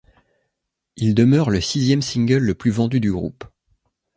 Il demeure le sixième single le plus vendu du groupe.